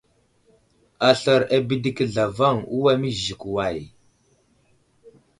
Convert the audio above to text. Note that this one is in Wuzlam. Aslər abədeki zlavaŋ, uway məziziki way ?